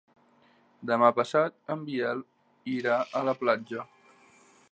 Demà passat en Biel irà a la platja.